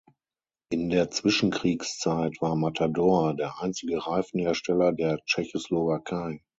In der Zwischenkriegszeit war Matador der einzige Reifenhersteller der Tschechoslowakei.